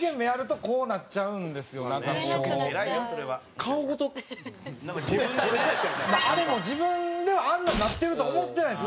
三島：あれも自分ではあんなになってると思ってないんです。